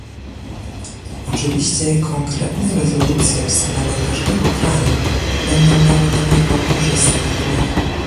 Oczywiście konkretne rezolucje w sprawie każdego kraju będą miały na niego korzystny wpływ